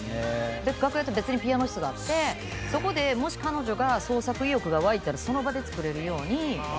楽屋と別にピアノ室があってもし彼女が創作意欲が湧いたらその場で作れるようにしてるっていう。